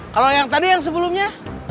kalau yang tadi yang sebelumnya